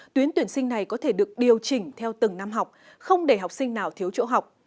tuyến tuyển sinh này có thể được điều chỉnh theo từng năm học không để học sinh nào thiếu chỗ học